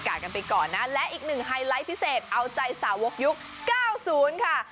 กันไปก่อนนะและอีกหนึ่งไฮไลท์พิเศษเอาใจสาวกยุค๙๐ค่ะ